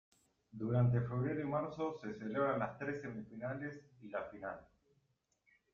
Durante febrero y marzo, se celebran las tres semifinales y la final.